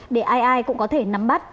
để ai ai cũng có thể nắm bắt